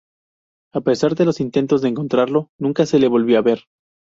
A pesar de los intentos de encontrarlo, nunca se le volvió a ver.